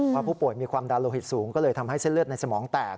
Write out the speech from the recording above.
เพราะผู้ป่วยมีความดันโลหิตสูงก็เลยทำให้เส้นเลือดในสมองแตก